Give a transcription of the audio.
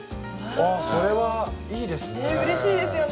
それはいいですね。